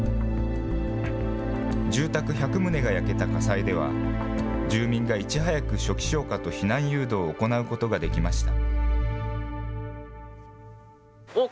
住宅１００棟が焼けた火災では、住民がいち早く初期消火と避難誘導を行うことができました。